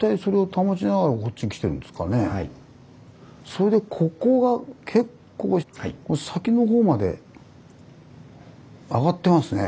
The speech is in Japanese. それでここが結構先のほうまで上がってますね。